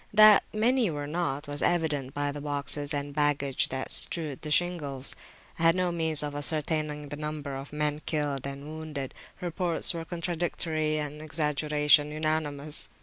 That many were not, was evident by the boxes and baggage that strewed the shingles. I had no means of ascertaining the number of men killed and wounded: reports were contradictory, and exaggeration unanimous.